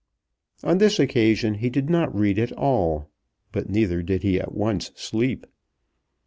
On this occasion he did not read at all, but neither did he at once sleep.